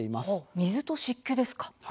水と湿気ですか。